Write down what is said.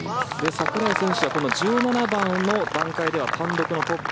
櫻井選手は１７番の段階では単独のトップ。